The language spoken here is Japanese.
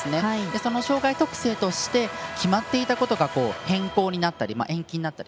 その障がい特性として決まっていたことが変更になったり延期になったり。